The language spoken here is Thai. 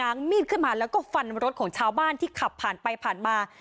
แล้วก็ฟันรถของชาวบ้านที่ขับผ่านไปผ่านมา